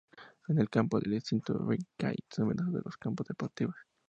En el campus del Instituto Wingate, son numerosos los campos deportivos.